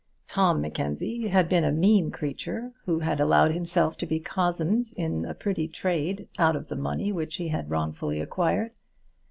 Tom Mackenzie had been a mean creature who had allowed himself to be cozened in a petty trade out of the money which he had wrongfully acquired.